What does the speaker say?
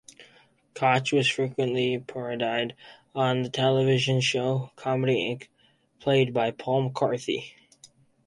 Koch was frequently parodied on the television show "Comedy Inc.", played by Paul McCarthy.